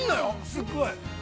すごい。